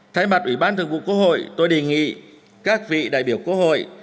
thay mặt ủy ban thường vụ quốc hội tôi đề nghị các vị đại biểu quốc hội